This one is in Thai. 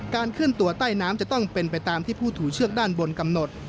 เคลื่อนตัวใต้น้ำจะต้องเป็นไปตามที่ผู้ถูเชือกด้านบนกำหนด